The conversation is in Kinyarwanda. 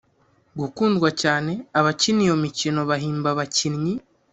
Gukundwa cyane abakina iyo mikino bahimba abakinnyi